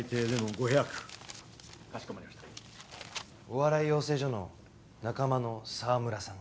お笑い養成所の仲間の澤村さん。